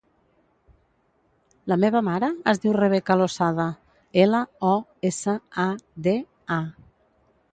La meva mare es diu Rebeca Losada: ela, o, essa, a, de, a.